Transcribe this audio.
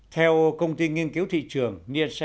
theo công ty nghiên cứu thị trường